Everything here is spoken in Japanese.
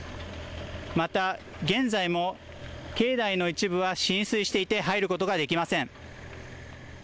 また現在も境内の一部は浸水していて入ることができません。